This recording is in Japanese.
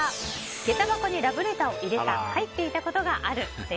げた箱にラブレターを入れた・入っていたことがある。